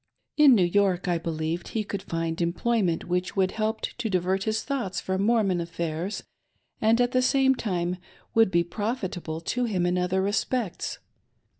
In New York I believed he could find employment which would help to divert his thoughts from Mormon affairs and, at the same time, would be profitable to him in other respects.